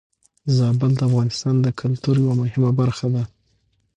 زابل د افغانستان د کلتور يوه مهمه برخه ده.